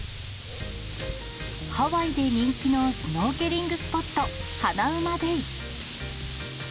ハワイで人気のスノーケリングスポット、ハナウマベイ。